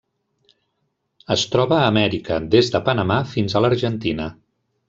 Es troba a Amèrica: des de Panamà fins a l'Argentina.